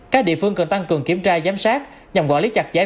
các địa phương cần tăng cường kiểm tra giám sát nhằm gọi lý chặt giải